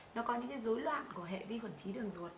nó có những cái dối loạn của hệ vi khuẩn trí đường ruột